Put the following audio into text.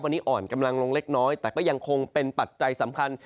วันนี้อ่อนกำลังลงเล็กน้อยแต่ก็ยังคงเป็นปัจจัยสำคัญ